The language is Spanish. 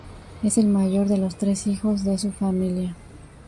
Él es el mayor de los tres hijos de su familia.